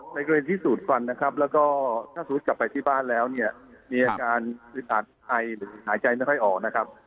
อ๋อในเกณฑ์ที่สูดควันนะครับแล้วก็ถ้าสูดกลับไปที่บ้านแล้วเนี่ยมีอาการหายใจไม่ค่อยออกนะครับ